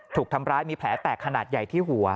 ถูกทำร้ายมีแผลแตกขนาดใหญ่ที่หัว